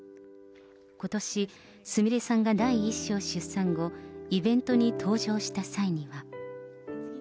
ことし、すみれさんが第１子を出産後、イベントに登場した際には。